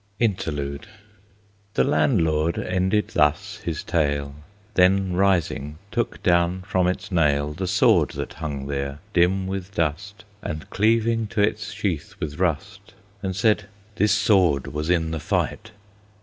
INTERLUDE. The Landlord ended thus his tale, Then rising took down from its nail The sword that hung there, dim with dust, And cleaving to its sheath with rust, And said, "This sword was in the fight."